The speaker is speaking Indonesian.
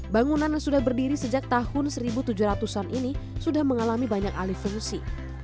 bangunan yang sudah berdiri sejak tahun seribu tujuh ratus an ini sudah mengalami banyak alih fungsi